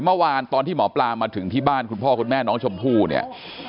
เมื่อวานตอนที่หมอปลามาถึงที่บ้านคุณพ่อคุณแม่น้องชมพู่เนี่ย